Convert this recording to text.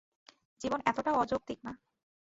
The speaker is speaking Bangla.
জীবন এতটাও অযৌক্তিক না!